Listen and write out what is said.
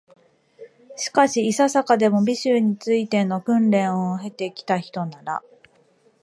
しかし、いささかでも、美醜に就いての訓練を経て来たひとなら、